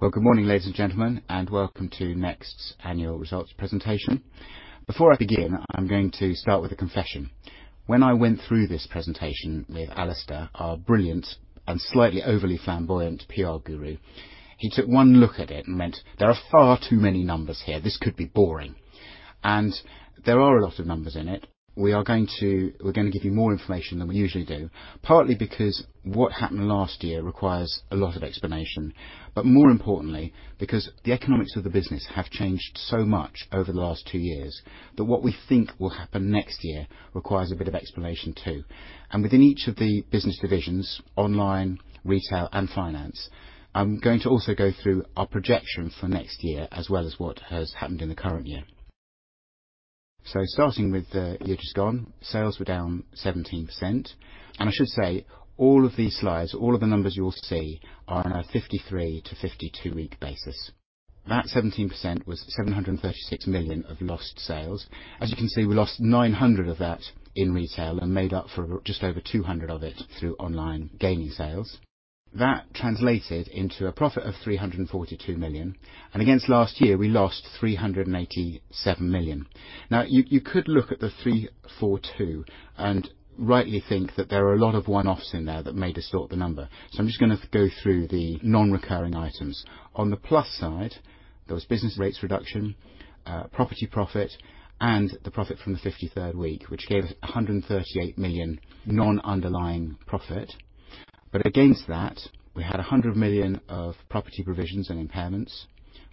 Well, good morning, ladies and gentlemen, and welcome to NEXT Annual Results Presentation. Before I begin, I'm going to start with a confession. When I went through this presentation with Alistair, our brilliant and slightly overly flamboyant PR guru, he took one look at it and went, "There are far too many numbers here. This could be boring." There are a lot of numbers in it. We're going to give you more information than we usually do, partly because what happened last year requires a lot of explanation, but more importantly, because the economics of the business have changed so much over the last two years, that what we think will happen next year requires a bit of explanation too. Within each of the business divisions, online, retail, and finance, I'm going to also go through our projection for next year as well as what has happened in the current year. Starting with the year just gone, sales were down 17%. I should say, all of these slides, all of the numbers you will see, are on a 53-52-week basis. That 17% was 736 million of lost sales. As you can see, we lost 900 million of that in retail and made up for just over 200 million of it through online gaining sales. That translated into a profit of 342 million. Against last year, we lost 387 million. Now, you could look at the 342 million and rightly think that there are a lot of one-offs in there that may distort the number. I'm just going to go through the non-recurring items. On the plus side, there was business rates reduction, property profit, and the profit from the 53rd week, which gave us 138 million non-underlying profit. Against that, we had 100 million of property provisions and impairments.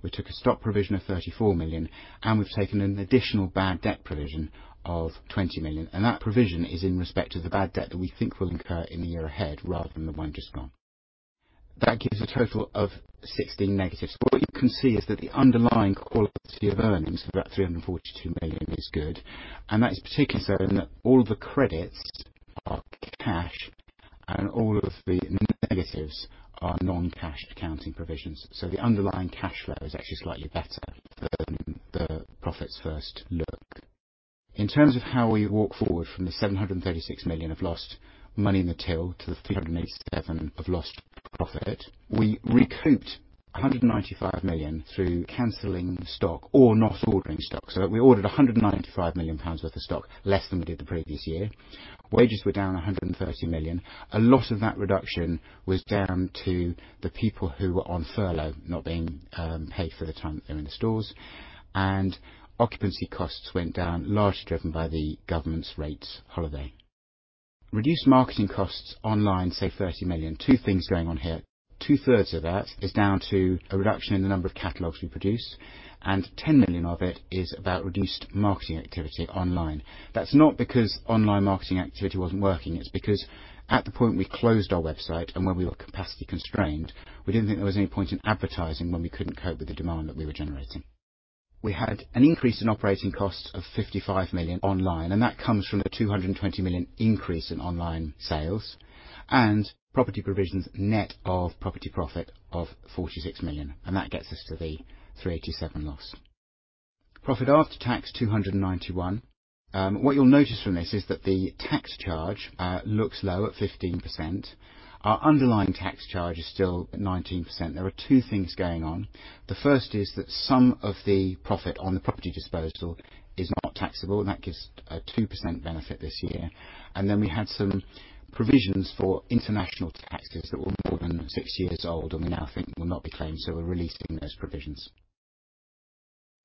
We took a stock provision of 34 million, and we've taken an additional bad debt provision of 20 million. That provision is in respect to the bad debt that we think will incur in the year ahead rather than the one just gone. That gives a total of -16. What you can see is that the underlying quality of earnings for that 342 million is good, and that is particularly so in that all the credits are cash and all of the negatives are non-cash accounting provisions. The underlying cash flow is actually slightly better than the profits first look. In terms of how we walk forward from the 736 million of lost money in the till to the 387 million of lost profit, we recouped 195 million through canceling stock or not ordering stock. We ordered 195 million pounds worth of stock less than we did the previous year. Wages were down 130 million. A lot of that reduction was down to the people who were on furlough not being paid for the time that they were in the stores, and occupancy costs went down, largely driven by the government's rates holiday. Reduced marketing costs online, save 30 million. Two things going on here. 2/3 of that is down to a reduction in the number of catalogs we produced, and 10 million of it is about reduced marketing activity online. That's not because online marketing activity wasn't working. It's because at the point we closed our website and when we were capacity constrained, we didn't think there was any point in advertising when we couldn't cope with the demand that we were generating. We had an increase in operating costs of 55 million online, that comes from the 220 million increase in online sales and property provisions net of property profit of 46 million, that gets us to the 387 loss. Profit after tax, 291. What you'll notice from this is that the tax charge looks low at 15%. Our underlying tax charge is still at 19%. There are two things going on. The first is that some of the profit on the property disposal is not taxable, that gives a 2% benefit this year. We had some provisions for international taxes that were more than six years old and we now think will not be claimed, so we're releasing those provisions.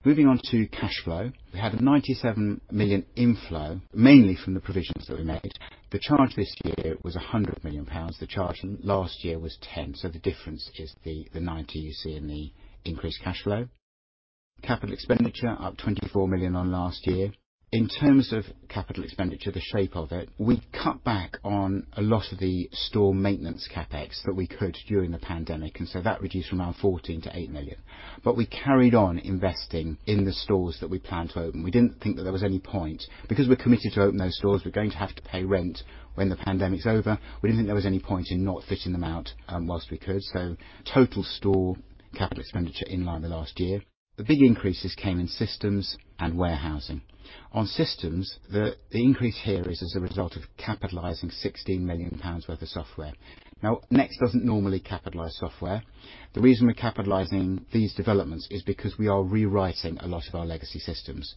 Moving on to cash flow. We had a 97 million inflow, mainly from the provisions that we made. The charge this year was 100 million pounds. The charge last year was 10 million, so the difference is the 90 million you see in the increased cash flow. Capital expenditure up 24 million on last year. In terms of capital expenditure, the shape of it, we cut back on a lot of the store maintenance CapEx that we could during the pandemic, and so that reduced from around 14 million-8 million. We carried on investing in the stores that we planned to open. We didn't think that there was any point. We're committed to open those stores, we're going to have to pay rent when the pandemic's over. We didn't think there was any point in not fitting them out while we could. Total store capital expenditure in line with last year. The big increases came in systems and warehousing. On systems, the increase here is as a result of capitalizing 16 million pounds worth of software. Now, NEXT doesn't normally capitalize software. The reason we're capitalizing these developments is because we are rewriting a lot of our legacy systems.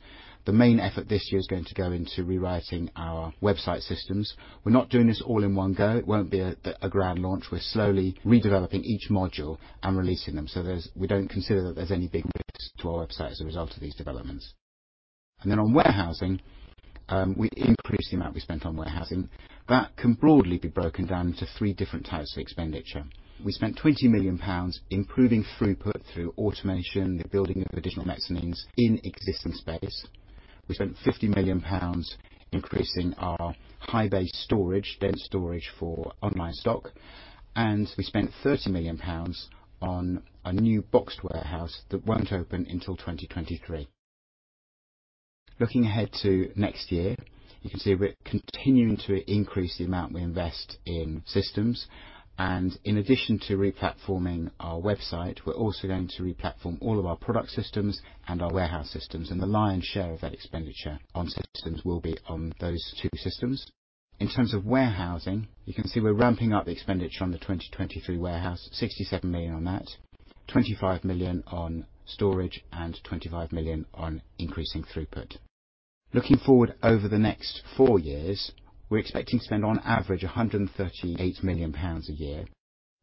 The main effort this year is going to go into rewriting our website systems. We're not doing this all-in-one go. It won't be a grand launch. We're slowly redeveloping each module and releasing them. We don't consider that there's any big risk to our website as a result of these developments. On warehousing, we increased the amount we spent on warehousing. That can broadly be broken down into three different types of expenditure. We spent 20 million pounds improving throughput through automation, the building of additional mezzanines in existing space. We spent 50 million pounds increasing our high-bay storage, dense storage for online stock. We spent 30 million pounds on a new boxed warehouse that won't open until 2023. Looking ahead to next year, you can see we're continuing to increase the amount we invest in systems. In addition to replatforming our website, we're also going to replatform all of our product systems and our warehouse systems. The lion's share of that expenditure on systems will be on those two systems. In terms of warehousing, you can see we're ramping up the expenditure on the 2023 warehouse, 67 million on that, 25 million on storage and 25 million on increasing throughput. Looking forward over the next four years, we're expecting to spend on average 138 million pounds a year.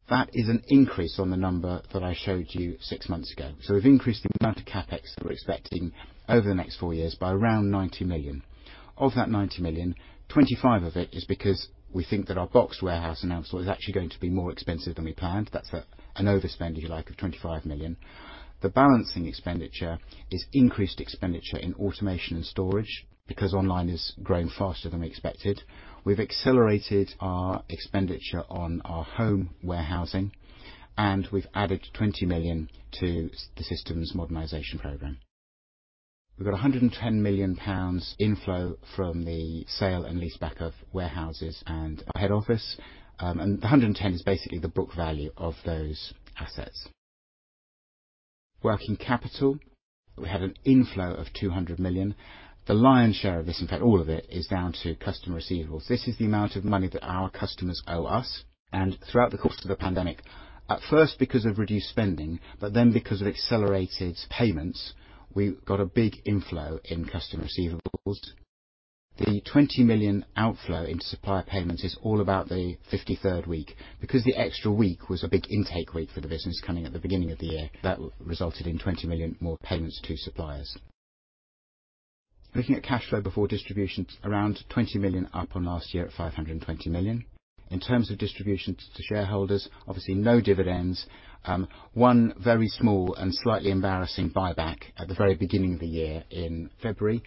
That is an increase on the number that I showed you six months ago. We've increased the amount of CapEx that we're expecting over the next four years by around 90 million. Of that 90 million, 25 of it is because we think that our box warehouse in Ambleside is actually going to be more expensive than we planned. That's an overspend, if you like, of 25 million. The balancing expenditure is increased expenditure in automation and storage because online is growing faster than we expected. We've accelerated our expenditure on our home warehousing, and we've added 20 million to the systems modernization program. We've got 110 million pounds inflow from the sale and leaseback of warehouses and our head office, and 110 million is basically the book value of those assets. Working capital, we had an inflow of 200 million. The lion's share of this, in fact, all of it, is down to customer receivables. This is the amount of money that our customers owe us. Throughout the course of the pandemic, at first because of reduced spending, but then because of accelerated payments, we got a big inflow in customer receivables. The 20 million outflow into supplier payments is all about the 53rd week because the extra week was a big intake week for the business coming at the beginning of the year that resulted in 20 million more payments to suppliers. Looking at cash flow before distributions, around 20 million up on last year at 520 million. In terms of distributions to shareholders, obviously no dividends. One very small and slightly embarrassing buyback at the very beginning of the year in February.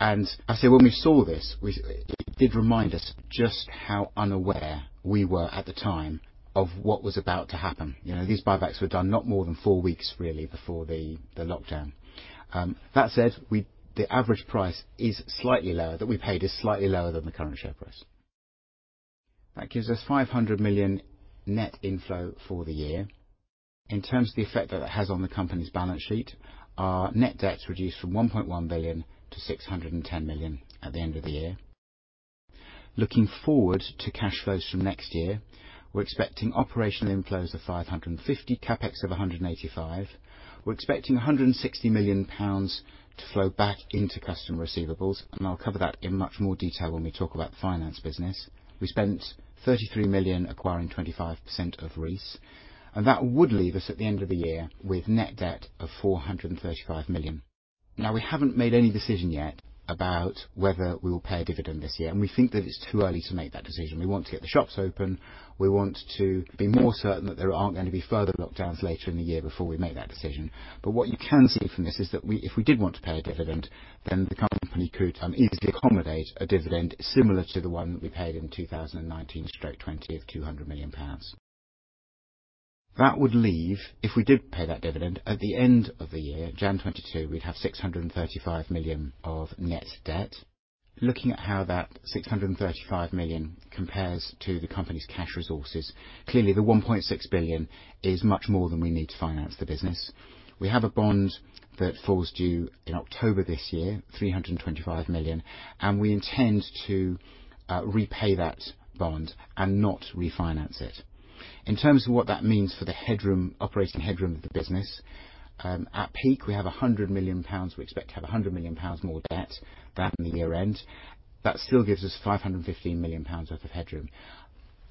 I say when we saw this, it did remind us just how unaware we were at the time of what was about to happen. These buybacks were done not more than four weeks really before the lockdown. That said, the average price that we paid is slightly lower than the current share price. That gives us 500 million net inflow for the year. In terms of the effect that it has on the company's balance sheet, our net debt reduced from 1.1 billion to 610 million at the end of the year. Looking forward to cash flows from next year, we're expecting operational inflows of 550 million, CapEx of 185 million. We're expecting 160 million pounds to flow back into customer receivables, and I'll cover that in much more detail when we talk about the finance business. We spent 33 million acquiring 25% of Reiss, and that would leave us at the end of the year with net debt of 435 million. Now, we haven't made any decision yet about whether we will pay a dividend this year, and we think that it's too early to make that decision. We want to get the shops open. We want to be more certain that there aren't going to be further lockdowns later in the year before we make that decision. What you can see from this is that if we did want to pay a dividend, then the company could easily accommodate a dividend similar to the one that we paid in 2019 or 2020 of 200 million pounds. That would leave, if we did pay that dividend, at the end of the year, Jan 2022, we'd have 635 million of net debt. Looking at how that 635 million compares to the company's cash resources, clearly the 1.6 billion is much more than we need to finance the business. We have a bond that falls due in October this year, 325 million, and we intend to repay that bond and not refinance it. In terms of what that means for the operating headroom of the business, at peak, we have 100 million pounds. We expect to have 100 million pounds more debt at the year-end. That still gives us 515 million pounds worth of headroom.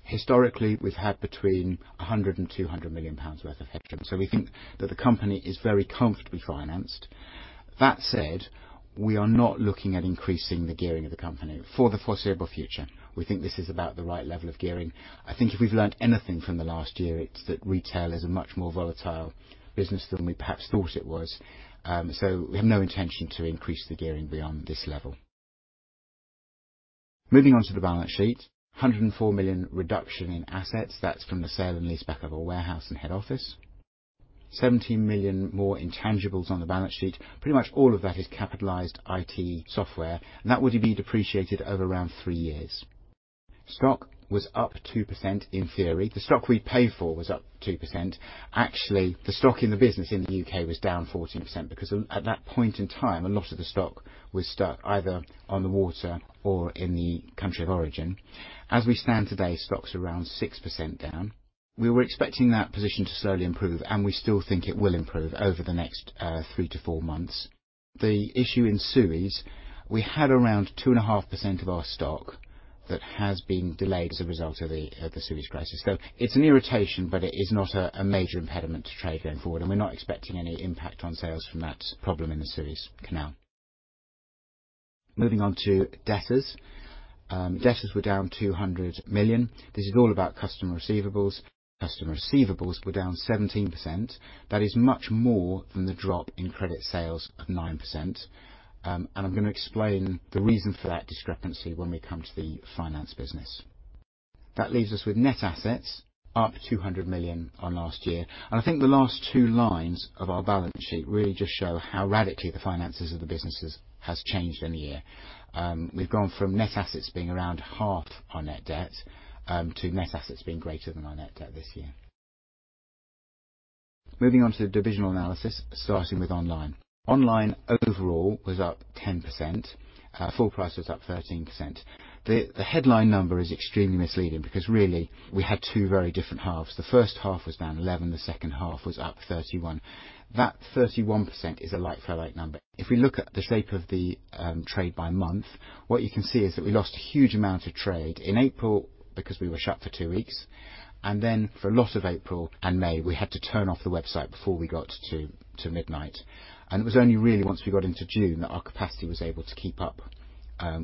Historically, we've had between 100 million pounds and 200 million pounds worth of headroom. We think that the company is very comfortably financed. That said, we are not looking at increasing the gearing of the company for the foreseeable future. We think this is about the right level of gearing. I think if we've learned anything from the last year, it's that retail is a much more volatile business than we perhaps thought it was. We have no intention to increase the gearing beyond this level. Moving on to the balance sheet, 104 million reduction in assets. That's from the sale and leaseback of our warehouse and head office. 17 million more intangibles on the balance sheet. Pretty much all of that is capitalized IT software, and that would be depreciated over around three years. Stock was up 2% in theory. The stock we paid for was up 2%. Actually, the stock in the business in the U.K. was down 14% because at that point in time, a lot of the stock was stuck either on the water or in the country of origin. As we stand today, stock's around 6% down. We were expecting that position to slowly improve, and we still think it will improve over the next three to four months. The issue in Suez, we had around 2.5% of our stock that has been delayed as a result of the Suez crisis. It's an irritation, but it is not a major impediment to trade going forward. We're not expecting any impact on sales from that problem in the Suez Canal. Moving on to debtors. Debtors were down 200 million. This is all about customer receivables. Customer receivables were down 17%. That is much more than the drop in credit sales of 9%. I'm going to explain the reason for that discrepancy when we come to the finance business. That leaves us with net assets up 200 million on last year. I think the last two lines of our balance sheet really just show how radically the finances of the businesses has changed in a year. We've gone from net assets being around half our net debt to net assets being greater than our net debt this year. Moving on to the divisional analysis, starting with online. Online overall was up 10%, full price was up 13%. The headline number is extremely misleading because really we had two very different halves. The first half was down 11%, the second half was up 31%. That 31% is a like for like number. If we look at the shape of the trade by month, what you can see is that we lost a huge amount of trade in April because we were shut for two weeks, and then for a lot of April and May, we had to turn off the website before we got to midnight. It was only really once we got into June that our capacity was able to keep up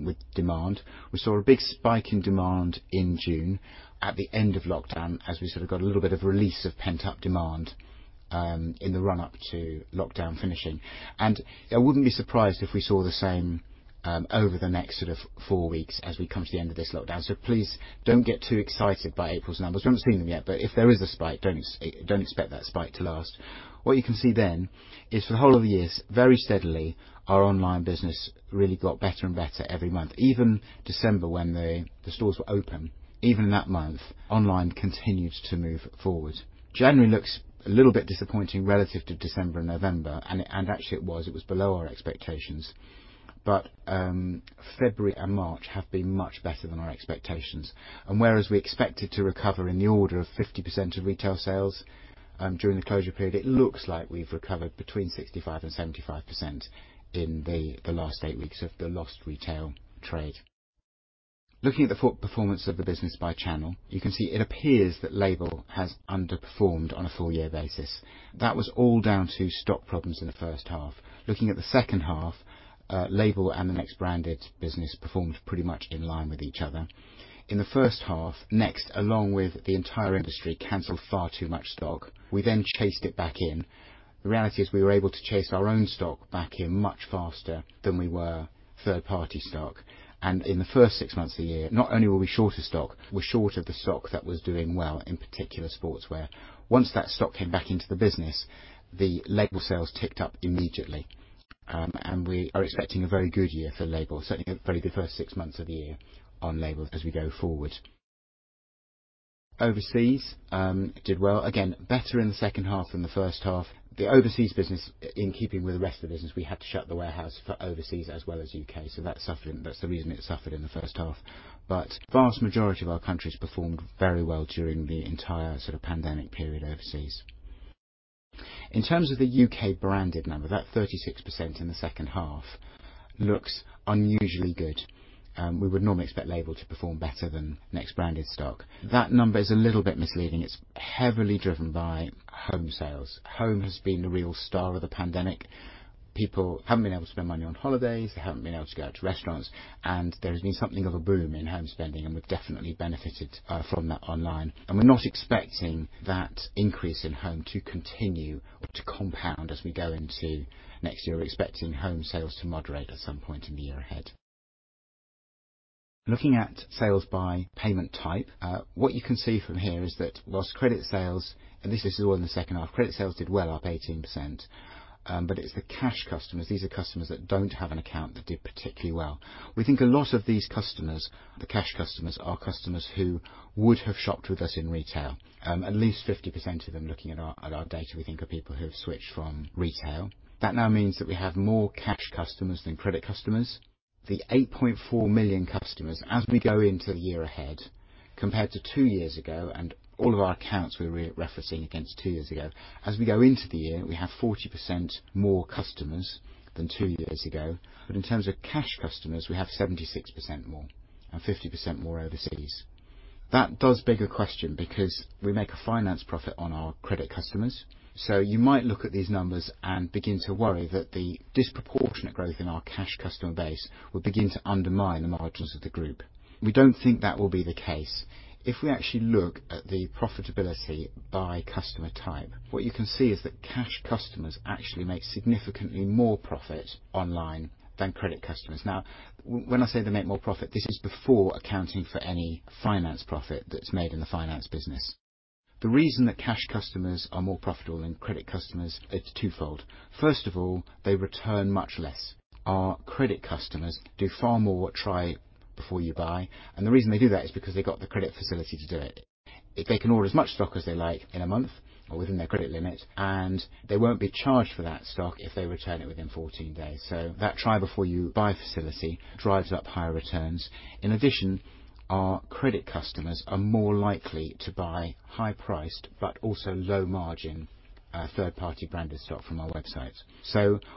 with demand. We saw a big spike in demand in June at the end of lockdown, as we sort of got a little bit of release of pent-up demand in the run-up to lockdown finishing. I wouldn't be surprised if we saw the same over the next four weeks as we come to the end of this lockdown. Please don't get too excited by April's numbers. We haven't seen them yet, but if there is a spike, don't expect that spike to last. What you can see then is for the whole of the years, very steadily, our online business really got better and better every month. Even December, when the stores were open, even that month, online continued to move forward. January looks a little bit disappointing relative to December and November. Actually it was. It was below our expectations. February and March have been much better than our expectations. Whereas we expected to recover in the order of 50% of retail sales during the closure period, it looks like we've recovered between 65% and 75% in the last eight weeks of the lost retail trade. Looking at the performance of the business by channel, you can see it appears that LABEL has underperformed on a full-year basis. That was all down to stock problems in the first half. Looking at the second half, LABEL and the NEXT branded business performed pretty much in line with each other. In the first half, NEXT, along with the entire industry, canceled far too much stock. We chased it back in. The reality is we were able to chase our own stock back in much faster than we were third-party stock. In the first six months of the year, not only were we short of stock, we're short of the stock that was doing well, in particular sportswear. Once that stock came back into the business, the LABEL sales ticked up immediately, and we are expecting a very good year for LABEL, certainly a very good first six months of the year on LABEL as we go forward. Overseas did well. Again, better in the second half than the first half. The overseas business, in keeping with the rest of the business, we had to shut the warehouse for overseas as well as U.K., so that's the reason it suffered in the first half. Vast majority of our countries performed very well during the entire pandemic period overseas. In terms of the U.K. branded number, that 36% in the second half looks unusually good. We would normally expect Label to perform better than NEXT branded stock. That number is a little bit misleading. It's heavily driven by home sales. Home has been the real star of the pandemic. People haven't been able to spend money on holidays, they haven't been able to go out to restaurants, and there has been something of a boom in home spending, and we've definitely benefited from that online. We're not expecting that increase in home to continue or to compound as we go into next year. We're expecting home sales to moderate at some point in the year ahead. Looking at sales by payment type, what you can see from here is that whilst credit sales, and this is all in the second half, credit sales did well, up 18%, but it's the cash customers, these are customers that don't have an account, that did particularly well. We think a lot of these customers, the cash customers, are customers who would have shopped with us in retail. At least 50% of them, looking at our data, we think are people who have switched from retail. Now means that we have more cash customers than credit customers. The 8.4 million customers as we go into the year ahead, compared to two years ago, and all of our accounts we're referencing against two years ago, as we go into the year, we have 40% more customers than two years ago. In terms of cash customers, we have 76% more and 50% more overseas. Does beg a question because we make a finance profit on our credit customers. You might look at these numbers and begin to worry that the disproportionate growth in our cash customer base will begin to undermine the margins of the group. We don't think that will be the case. If we actually look at the profitability by customer type, what you can see is that cash customers actually make significantly more profit online than credit customers. When I say they make more profit, this is before accounting for any finance profit that's made in the finance business. The reason that cash customers are more profitable than credit customers, it's 2x. They return much less. Our credit customers do far more try before you buy, and the reason they do that is because they got the credit facility to do it. They can order as much stock as they like in a month or within their credit limit, and they won't be charged for that stock if they return it within 14 days. That try before you buy facility drives up higher returns. In addition, our credit customers are more likely to buy high-priced but also low-margin third-party branded stock from our website.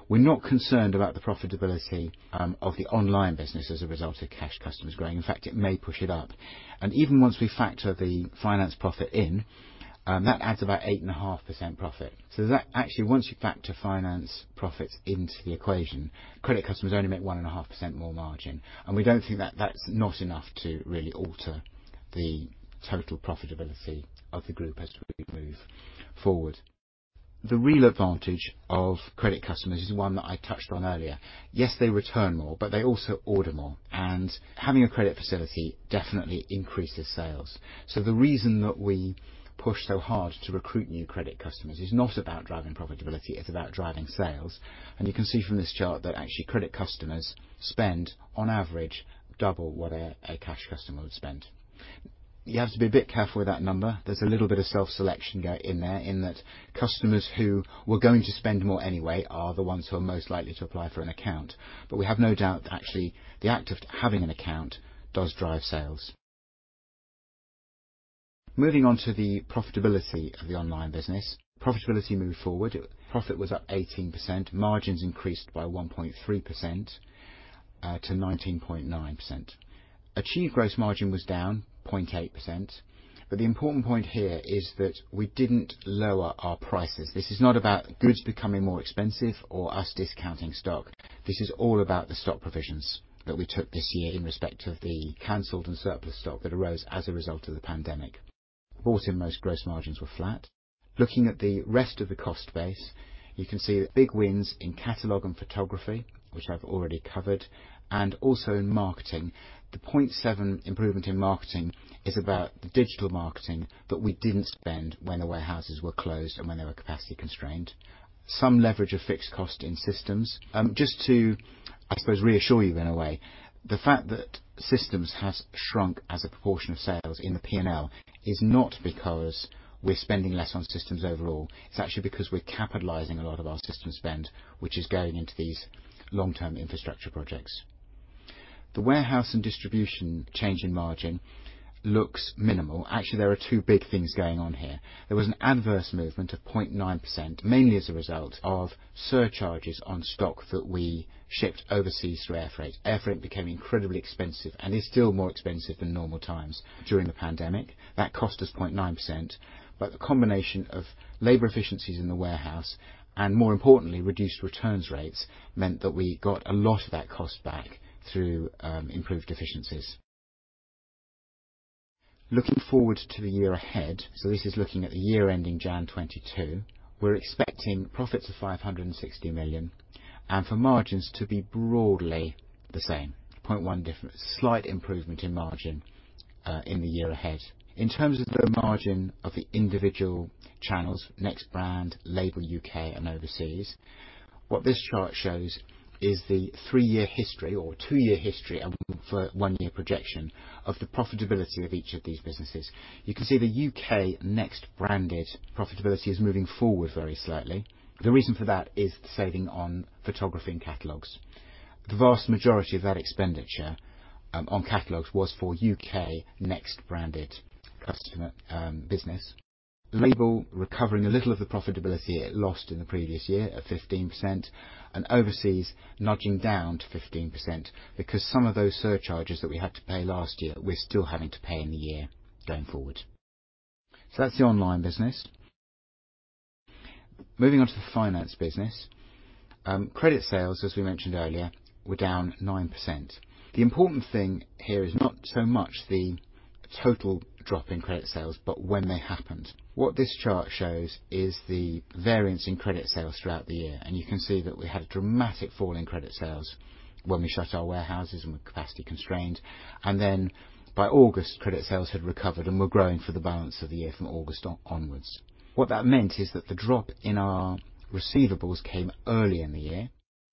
We're not concerned about the profitability of the online business as a result of cash customers growing. In fact, it may push it up. Even once we factor the finance profit in, that adds about 8.5% profit. Actually, once you factor finance profits into the equation, credit customers only make 1.5% more margin. We don't think that's not enough to really alter the total profitability of the group as we move forward. The real advantage of credit customers is one that I touched on earlier. Yes, they return more, but they also order more. Having a credit facility definitely increases sales. The reason that we push so hard to recruit new credit customers is not about driving profitability, it's about driving sales. You can see from this chart that actually credit customers spend on average double what a cash customer would spend. You have to be a bit careful with that number. There's a little bit of self-selection in there in that customers who were going to spend more anyway are the ones who are most likely to apply for an account. We have no doubt that actually the act of having an account does drive sales. Moving on to the profitability of the online business. Profitability moved forward. Profit was up 18%, margins increased by 1.3%-19.9%. Achieved gross margin was down 0.8%, but the important point here is that we didn't lower our prices. This is not about goods becoming more expensive or us discounting stock. This is all about the stock provisions that we took this year in respect of the canceled and surplus stock that arose as a result of the pandemic. Bought-in most gross margins were flat. Looking at the rest of the cost base, you can see big wins in catalog and photography, which I've already covered, and also in marketing. The 0.7% improvement in marketing is about the digital marketing that we didn't spend when the warehouses were closed and when they were capacity constrained. Some leverage of fixed cost in systems. Just to, I suppose, reassure you in a way, the fact that systems has shrunk as a proportion of sales in the P&L is not because we're spending less on systems overall. It's actually because we're capitalizing a lot of our system spend, which is going into these long-term infrastructure projects. The warehouse and distribution change in margin looks minimal. Actually, there are two big things going on here. There was an adverse movement of 0.9%, mainly as a result of surcharges on stock that we shipped overseas through air freight. Air freight became incredibly expensive and is still more expensive than normal times during the pandemic. That cost us 0.9%, but the combination of labor efficiencies in the warehouse and, more importantly, reduced returns rates meant that we got a lot of that cost back through improved efficiencies. Looking forward to the year ahead, so this is looking at the year ending January 2022, we're expecting profits of 560 million and for margins to be broadly the same, 0.1% difference, slight improvement in margin in the year ahead. In terms of the margin of the individual channels, NEXT Brand, LABEL, U.K., and Overseas, what this chart shows is the three-year history or two-year history and one-year projection of the profitability of each of these businesses. You can see the U.K. NEXT branded profitability is moving forward very slightly. The reason for that is saving on photography and catalogs. The vast majority of that expenditure on catalogs was for U.K. NEXT branded customer business. LABEL recovering a little of the profitability it lost in the previous year at 15% and overseas nudging down to 15% because some of those surcharges that we had to pay last year, we're still having to pay in the year going forward. That's the online business. Moving on to the finance business. Credit sales, as we mentioned earlier, were down 9%. The important thing here is not so much the total drop in credit sales, but when they happened. What this chart shows is the variance in credit sales throughout the year. You can see that we had a dramatic fall in credit sales when we shut our warehouses and were capacity constrained. Then by August, credit sales had recovered and were growing for the balance of the year from August onwards. What that meant is that the drop in our receivables came early in the year,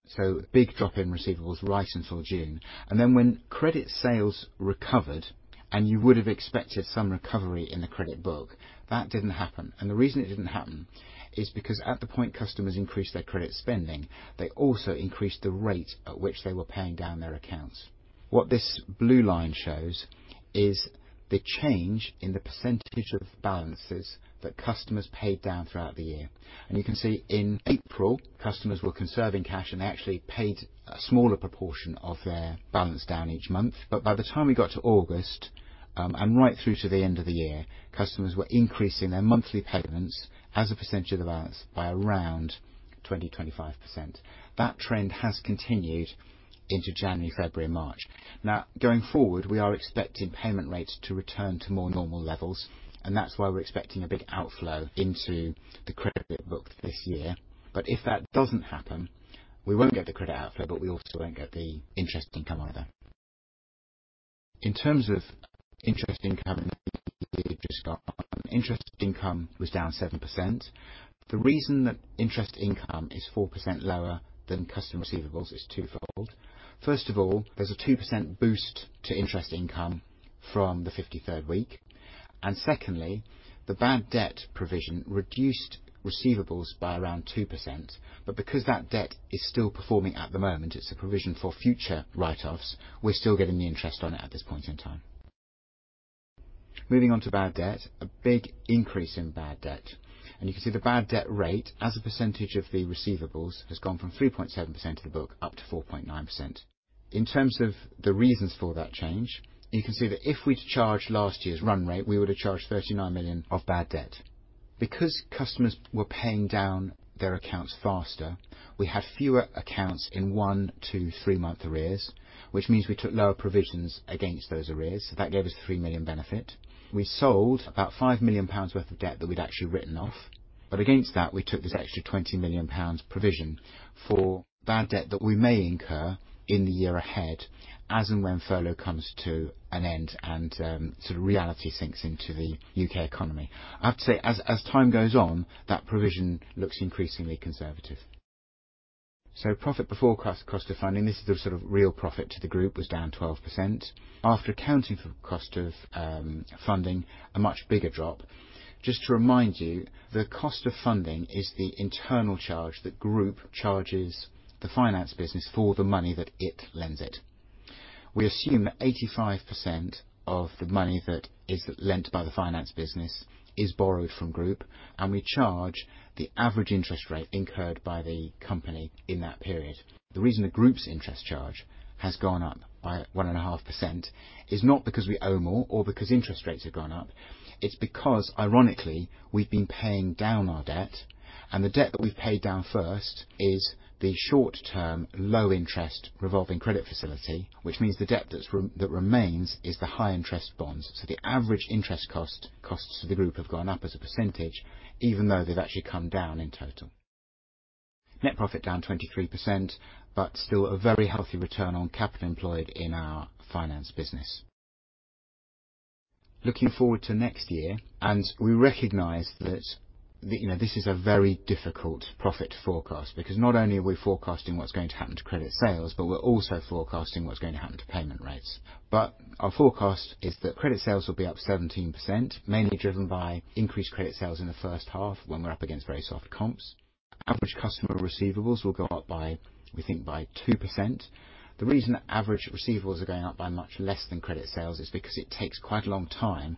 so big drop in receivables right until June. Then when credit sales recovered, and you would have expected some recovery in the credit book, that didn't happen. The reason it didn't happen is because at the point customers increased their credit spending, they also increased the rate at which they were paying down their accounts. What this blue line shows is the change in the percentae of balances that customers paid down throughout the year. You can see in April, customers were conserving cash, and they actually paid a smaller proportion of their balance down each month. By the time we got to August, and right through to the end of the year, customers were increasing their monthly payments as a percentage of the balance by around 20%, 25%. That trend has continued into January, February, March. Now, going forward, we are expecting payment rates to return to more normal levels, and that's why we're expecting a big outflow into the credit book this year. If that doesn't happen, we won't get the credit outflow, but we also won't get the interest income either. In terms of interest income and interest income was down 7%. The reason that interest income is 4% lower than customer receivables is twofold. There's a 2% boost to interest income from the 53rd week. The bad debt provision reduced receivables by around 2%. Because that debt is still performing at the moment, it's a provision for future write-offs, we're still getting the interest on it at this point in time. Moving on to bad debt, a big increase in bad debt. You can see the bad debt rate as a percentage of the receivables has gone from 3.7% of the book up to 4.9%. In terms of the reasons for that change, you can see that if we'd charged last year's run rate, we would have charged 39 million of bad debt. Customers were paying down their accounts faster, we had fewer accounts in one to three-month arrears, which means we took lower provisions against those arrears. That gave us 3 million benefit. We sold about 5 million pounds worth of debt that we'd actually written off. Against that, we took this extra 20 million pounds provision for bad debt that we may incur in the year ahead as and when furlough comes to an end and sort of reality sinks into the U.K. economy. I have to say, as time goes on, that provision looks increasingly conservative. Profit before cost of funding, this is the sort of real profit to the group, was down 12%. After accounting for cost of funding, a much bigger drop. Just to remind you, the cost of funding is the internal charge that group charges the finance business for the money that it lends it. We assume that 85% of the money that is lent by the finance business is borrowed from group, and we charge the average interest rate incurred by the company in that period. The reason the group's interest charge has gone up by 1.5% is not because we owe more or because interest rates have gone up. It's because, ironically, we've been paying down our debt, and the debt that we've paid down first is the short-term, low-interest revolving credit facility, which means the debt that remains is the high-interest bonds. The average interest costs to the group have gone up as a percentage, even though they've actually come down in total. Net profit down 23%, but still a very healthy return on capital employed in our finance business. Looking forward to next year, we recognize that this is a very difficult profit to forecast because not only are we forecasting what's going to happen to credit sales, we're also forecasting what's going to happen to payment rates. Our forecast is that credit sales will be up 17%, mainly driven by increased credit sales in the first half when we're up against very soft comps. Average customer receivables will go up by, we think by 2%. The reason that average receivables are going up by much less than credit sales is because it takes quite a long time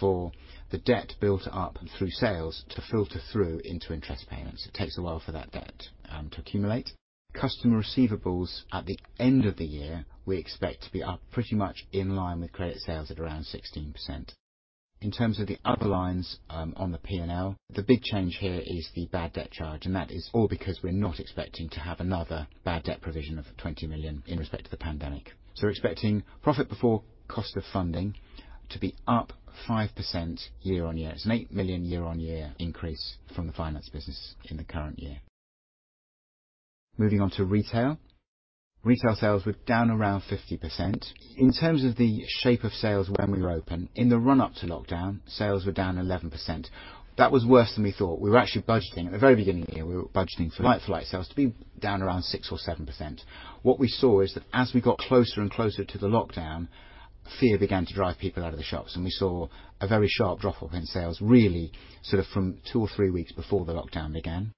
for the debt built up through sales to filter through into interest payments. It takes a while for that debt to accumulate. Customer receivables at the end of the year, we expect to be up pretty much in line with credit sales at around 16%. In terms of the other lines on the P&L, the big change here is the bad debt charge, that is all because we're not expecting to have another bad debt provision of 20 million in respect to the pandemic. We're expecting profit before cost of funding to be up 5% year-on-year. It's an 8 million year-on-year increase from the finance business in the current year. Moving on to retail. Retail sales were down around 50%. In terms of the shape of sales when we were open, in the run-up to lockdown, sales were down 11%. That was worse than we thought. We were actually budgeting at the very beginning of the year, we were budgeting for like-for-like sales to be down around 6% or 7%. What we saw is that as we got closer and closer to the lockdown, fear began to drive people out of the shops, and we saw a very sharp drop-off in sales, really sort of from two or three weeks before the lockdown began.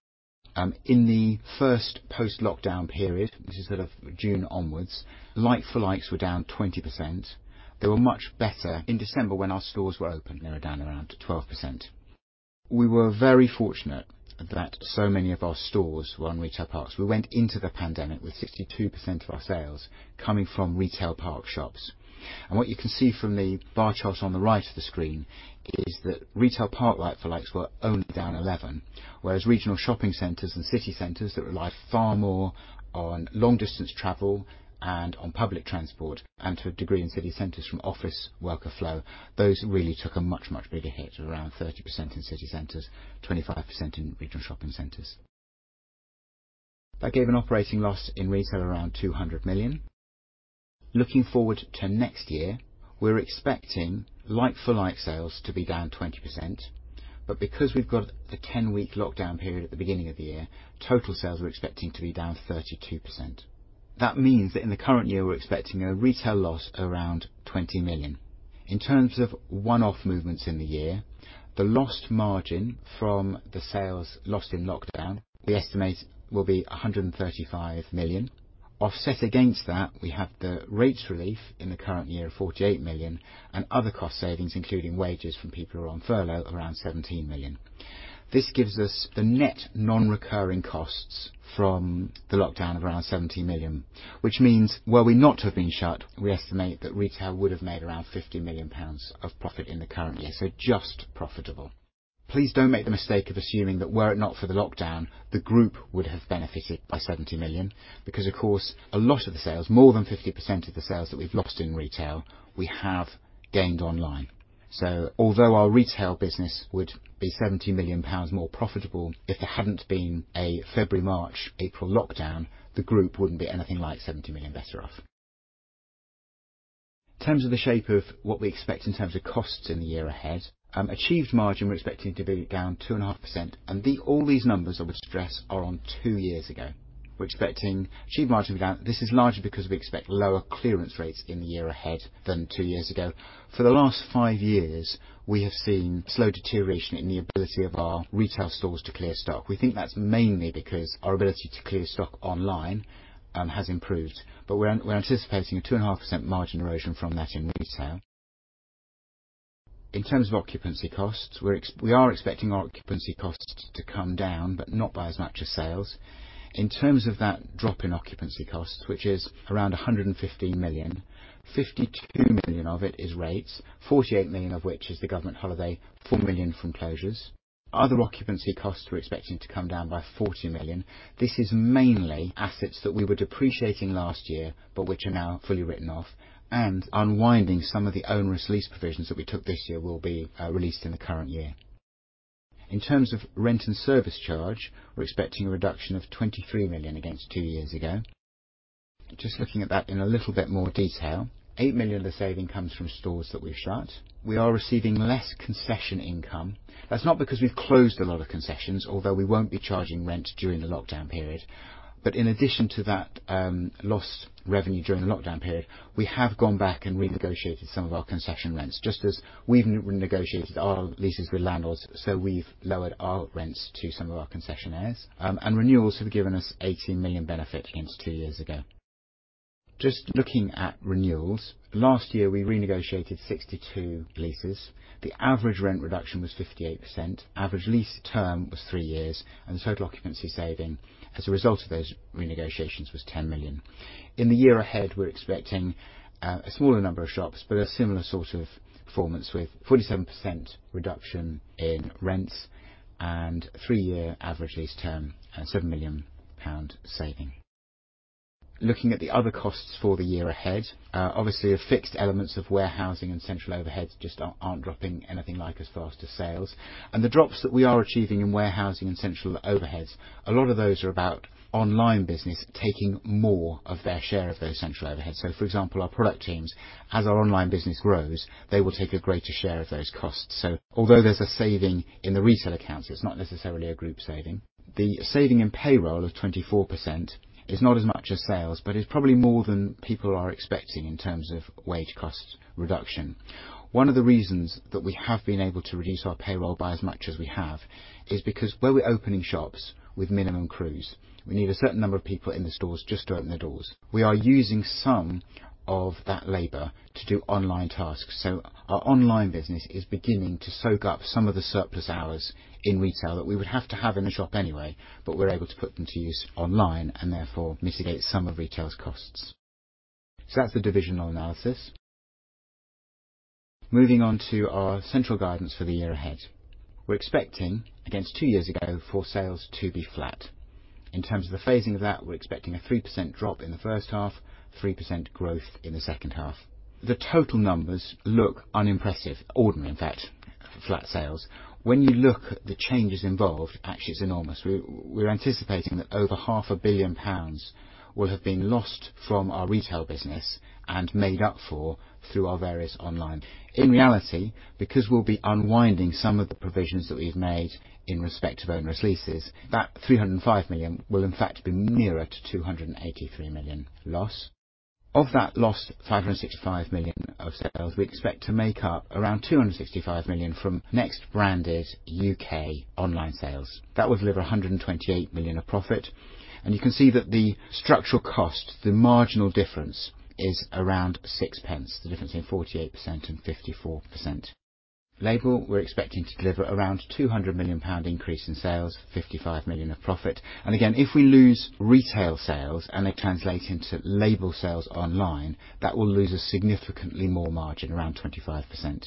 In the first post-lockdown period, this is sort of June onwards, like for likes were down 20%. They were much better in December when our stores were open. They were down around 12%. We were very fortunate that so many of our stores were on retail parks. We went into the pandemic with 62% of our sales coming from retail park shops. What you can see from the bar charts on the right of the screen is that retail park like for likes were only down 11%, whereas regional shopping centers and city centers that rely far more on long-distance travel and on public transport, and to a degree in city centers from office worker flow, those really took a much, much bigger hit of around 30% in city centers, 25% in regional shopping centers. That gave an operating loss in retail around 200 million. Looking forward to next year, we're expecting like-for-like sales to be down 20%, but because we've got the 10-week lockdown period at the beginning of the year, total sales we're expecting to be down 32%. That means that in the current year, we're expecting a retail loss around 20 million. In terms of one-off movements in the year, the lost margin from the sales lost in lockdown, we estimate will be 135 million. Offset against that, we have the rates relief in the current year of 48 million and other cost savings, including wages from people who are on furlough, around 17 million. This gives us the net non-recurring costs from the lockdown of around 70 million, which means were we not to have been shut, we estimate that retail would have made around 50 million pounds of profit in the current year, so just profitable. Please don't make the mistake of assuming that were it not for the lockdown, the group would have benefited by 70 million because, of course, a lot of the sales, more than 50% of the sales that we've lost in retail, we have gained online. Although our retail business would be 70 million pounds more profitable if there hadn't been a February, March, April lockdown, the group wouldn't be anything like 70 million better off. In terms of the shape of what we expect in terms of costs in the year ahead, achieved margin, we're expecting to be down 2.5%. All these numbers I would stress are on two years ago. We're expecting achieved margin to be down. This is largely because we expect lower clearance rates in the year ahead than two years ago. For the last five years, we have seen slow deterioration in the ability of our retail stores to clear stock. We think that's mainly because our ability to clear stock online has improved, but we're anticipating a 2.5% margin erosion from that in retail. In terms of occupancy costs, we are expecting occupancy costs to come down, but not by as much as sales. In terms of that drop in occupancy cost, which is around 115 million, 52 million of it is rates, 48 million of which is the government holiday, 4 million from closures. Other occupancy costs we're expecting to come down by 40 million. This is mainly assets that we were depreciating last year, but which are now fully written off and unwinding some of the onerous lease provisions that we took this year will be released in the current year. In terms of rent and service charge, we're expecting a reduction of 23 million against two years ago. Just looking at that in a little bit more detail, 8 million of the saving comes from stores that we've shut. We are receiving less concession income. That's not because we've closed a lot of concessions, although we won't be charging rent during the lockdown period. In addition to that lost revenue during the lockdown period, we have gone back and renegotiated some of our concession rents, just as we've negotiated our leases with landlords, we've lowered our rents to some of our concessionaires. Renewals have given us 18 million benefit against two years ago. Just looking at renewals, last year we renegotiated 62 leases. The average rent reduction was 58%, average lease term was three years, the total occupancy saving as a result of those renegotiations was 10 million. In the year ahead, we're expecting a smaller number of shops, a similar sort of performance, with 47% reduction in rents and three-year average lease term at 7 million pound saving. Looking at the other costs for the year ahead, obviously, your fixed elements of warehousing and central overheads just aren't dropping anything like as fast as sales. The drops that we are achieving in warehousing and central overheads, a lot of those are about online business taking more of their share of those central overheads. For example, our product teams, as our online business grows, they will take a greater share of those costs. Although there's a saving in the retail accounts, it's not necessarily a group saving. The saving in payroll of 24% is not as much as sales, but is probably more than people are expecting in terms of wage cost reduction. One of the reasons that we have been able to reduce our payroll by as much as we have is because where we're opening shops with minimum crews, we need a certain number of people in the stores just to open the doors. We are using some of that labor to do online tasks. Our online business is beginning to soak up some of the surplus hours in retail that we would have to have in the shop anyway, but we're able to put them to use online and therefore mitigate some of retail's costs. That's the divisional analysis. Moving on to our central guidance for the year ahead. We're expecting, against two years ago, for sales to be flat. In terms of the phasing of that, we're expecting a 3% drop in the first half, 3% growth in the second half. The total numbers look unimpressive, ordinary, in fact, for flat sales. When you look at the changes involved, actually it's enormous. We're anticipating that over half a billion GBP will have been lost from our retail business and made up for through our various online. In reality, because we'll be unwinding some of the provisions that we've made in respect of onerous leases, that 305 million will in fact be nearer to 283 million loss. Of that lost 565 million of sales, we expect to make up around 265 million from NEXT branded U.K. online sales. That would deliver 128 million of profit, and you can see that the structural cost, the marginal difference, is around 0.06, the difference between 48% and 54%. LABEL, we're expecting to deliver around 200 million pound increase in sales, 55 million of profit. Again, if we lose retail sales and they translate into LABEL sales online, that will lose us significantly more margin, around 25%.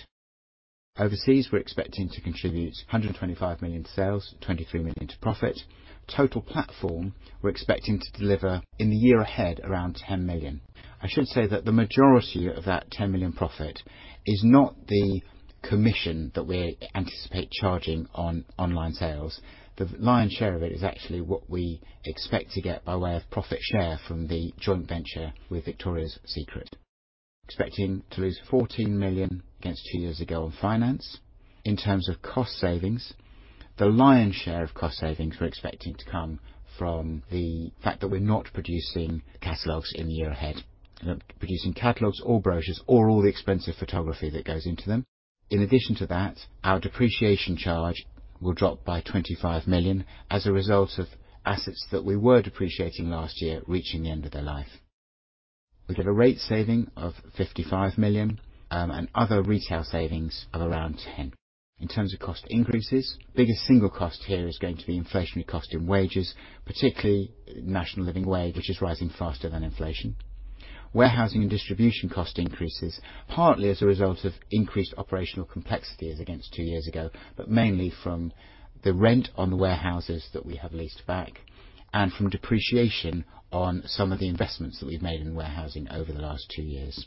Overseas, we're expecting to contribute 125 million to sales, 23 million to profit. Total Platform, we're expecting to deliver in the year ahead around 10 million. I should say that the majority of that 10 million profit is not the commission that we anticipate charging on online sales. The lion's share of it is actually what we expect to get by way of profit share from the joint venture with Victoria's Secret. Expecting to lose 14 million against two years ago on finance. In terms of cost savings, the lion's share of cost savings we're expecting to come from the fact that we're not producing catalogs in the year ahead. We're not producing catalogs or brochures or all the expensive photography that goes into them. In addition to that, our depreciation charge will drop by 25 million as a result of assets that we were depreciating last year reaching the end of their life. We get a rate saving of 55 million, and other retail savings of around 10 million. In terms of cost increases, biggest single cost here is going to be inflationary cost in wages, particularly National Living Wage, which is rising faster than inflation. Warehousing and distribution cost increases, partly as a result of increased operational complexities against two years ago, but mainly from the rent on warehouses that we have leased back and from depreciation on some of the investments that we've made in warehousing over the last two years.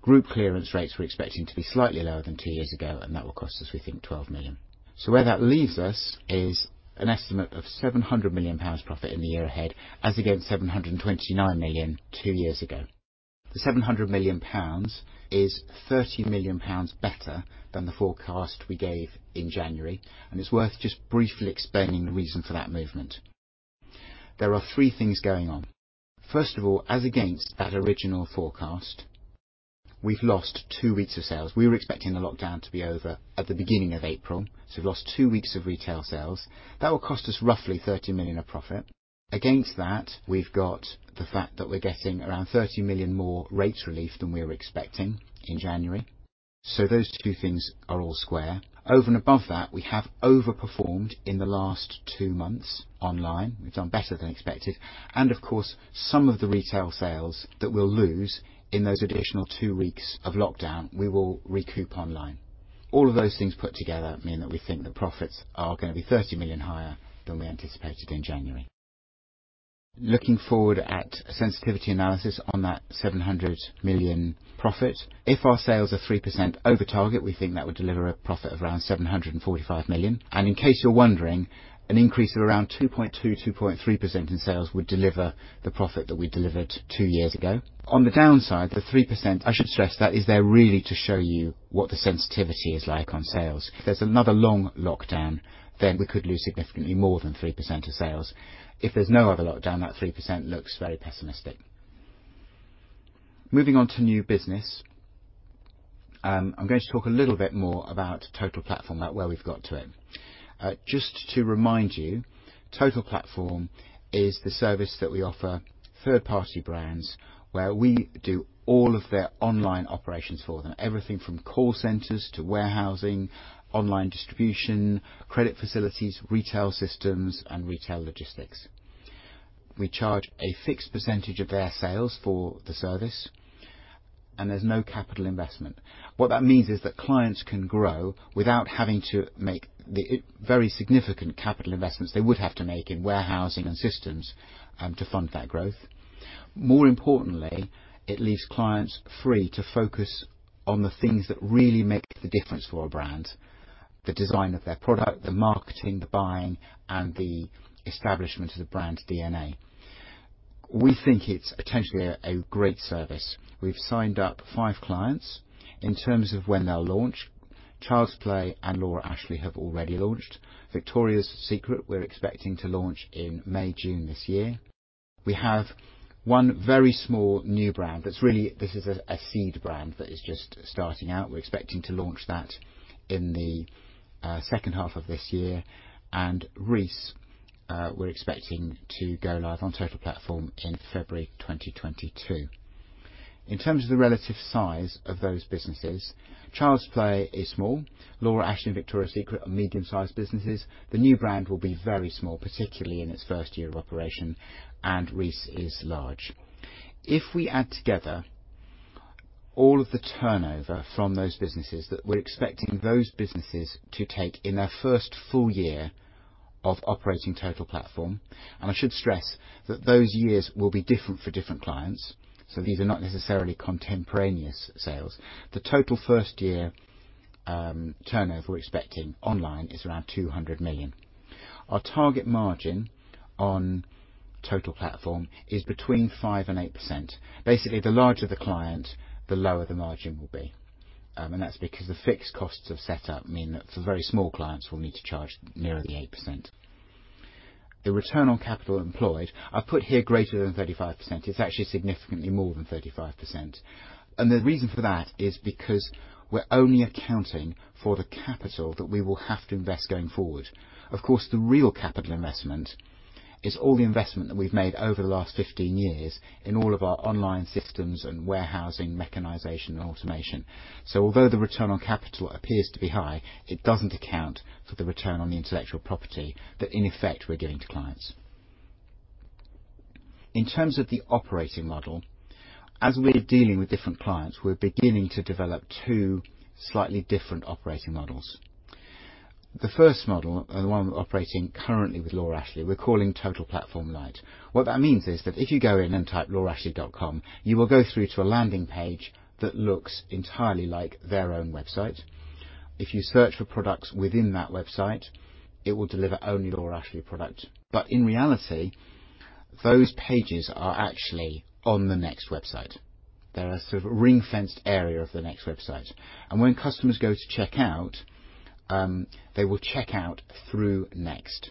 Group clearance rates we're expecting to be slightly lower than two years ago, and that will cost us, we think, 12 million. Where that leaves us is an estimate of 700 million pounds profit in the year ahead, as against 729 million two years ago. The 700 million pounds is 30 million pounds better than the forecast we gave in January, and it's worth just briefly explaining the reason for that movement. There are three things going on. First of all, as against that original forecast, we've lost two weeks of sales. We were expecting the lockdown to be over at the beginning of April, so we've lost two weeks of retail sales. That will cost us roughly 30 million of profit. Against that, we've got the fact that we're getting around 30 million more rates relief than we were expecting in January. Those two things are all square. Over and above that, we have overperformed in the last two months online. We've done better than expected. Of course, some of the retail sales that we will lose in those additional two weeks of lockdown, we will recoup online. All of those things put together mean that we think the profits are going to be 30 million higher than we anticipated in January. Looking forward at sensitivity analysis on that 700 million profit, if our sales are 3% over target, we think that would deliver a profit of around 745 million. In case you are wondering. An increase of around 2.2%, 2.3% in sales would deliver the profit that we delivered two years ago. On the downside, the 3%, I should stress that is there really to show you what the sensitivity is like on sales. If there is another long lockdown, then we could lose significantly more than 3% of sales. If there is no other lockdown, that 3% looks very pessimistic. Moving on to new business. I'm going to talk a little bit more about Total Platform, about where we've got to it. Just to remind you, Total Platform is the service that we offer third-party brands, where we do all of their online operations for them. Everything from call centers to warehousing, online distribution, credit facilities, retail systems, and retail logistics. We charge a fixed percentage of their sales for the service, and there's no capital investment. What that means is that clients can grow without having to make the very significant capital investments they would have to make in warehousing and systems to fund that growth. More importantly, it leaves clients free to focus on the things that really make the difference for a brand, the design of their product, the marketing, the buying, and the establishment of the brand's DNA. We think it's potentially a great service. We've signed up five clients. In terms of when they'll launch, ChildsPlay and Laura Ashley have already launched. Victoria's Secret, we're expecting to launch in May, June this year. We have one very small new brand. This is a seed brand that is just starting out. We're expecting to launch that in the second half of this year. Reiss, we're expecting to go live on Total Platform in February 2022. In terms of the relative size of those businesses, ChildsPlay is small. Laura Ashley and Victoria's Secret are medium-sized businesses. The new brand will be very small, particularly in its first year of operation, and Reiss is large. If we add together all of the turnover from those businesses that we're expecting those businesses to take in their first full year of operating Total Platform, and I should stress that those years will be different for different clients, so these are not necessarily contemporaneous sales. The total first-year turnover we're expecting online is around 200 million. Our target margin on Total Platform is between 5% and 8%. Basically, the larger the client, the lower the margin will be, and that's because the fixed costs of setup mean that for very small clients, we'll need to charge nearer the 8%. The return on capital employed, I've put here greater than 35%. It's actually significantly more than 35%, and the reason for that is because we're only accounting for the capital that we will have to invest going forward. Of course, the real capital investment is all the investment that we've made over the last 15 years in all of our online systems and warehousing, mechanization, and automation. Although the return on capital appears to be high, it doesn't account for the return on the intellectual property that in effect we're giving to clients. In terms of the operating model, as we're dealing with different clients, we're beginning to develop two slightly different operating models. The first model, and the one operating currently with Laura Ashley, we're calling Total Platform Lite. What that means is that if you go in and type lauraashley.com, you will go through to a landing page that looks entirely like their own website. If you search for products within that website, it will deliver only Laura Ashley product. In reality, those pages are actually on the NEXT website. They're a sort of ring-fenced area of the NEXT website. When customers go to checkout, they will check out through NEXT.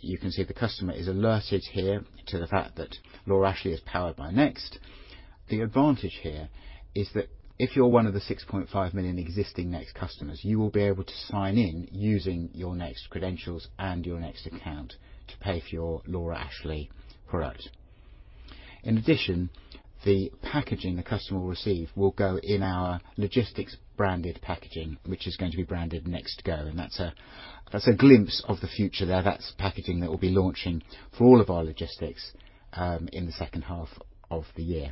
You can see the customer is alerted here to the fact that Laura Ashley is powered by NEXT. The advantage here is that if you're one of the 6.5 million existing NEXT customers, you will be able to sign in using your NEXT credentials and your NEXT account to pay for your Laura Ashley product. In addition, the packaging the customer will receive will go in our logistics branded packaging, which is going to be branded NEXT Go, and that's a glimpse of the future there. That's packaging that we'll be launching for all of our logistics in the second half of the year.